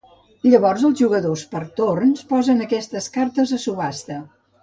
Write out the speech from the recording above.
Llavors els jugadors, per torns, posen aquestes cartes a subhasta.